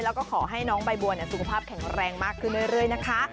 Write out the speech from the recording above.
แล้วก็ขอให้น้องใบบัวสุขภาพแข็งแรงมากขึ้นเรื่อยนะคะ